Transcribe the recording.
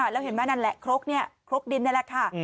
แล้วเห็นไหมนั่นแหละครกเนี่ยครกดินนี่แหละค่ะ